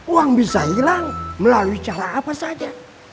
uang bisa hilang melalui cara apa saja